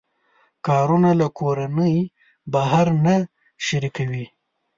کارونه له کورنۍ بهر نه شریکوي.